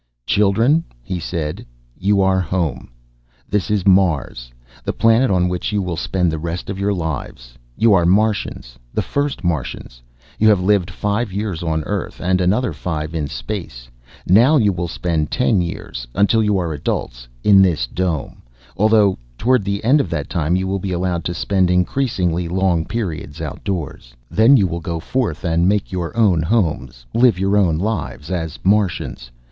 "Children," he said, "you are home. This is Mars, the planet on which you will spend the rest of your lives. You are Martians, the first Martians. You have lived five years on Earth and another five in space. Now you will spend ten years, until you are adults, in this dome, although toward the end of that time you will be allowed to spend increasingly long periods outdoors. "Then you will go forth and make your own homes, live your own lives, as Martians.